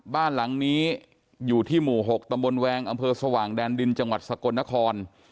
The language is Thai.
บ้านหลังนี้อยู่ที่หมู่๖ตำบลแวงอำเภอสว่างแดนดินจังหวัดสกลนคร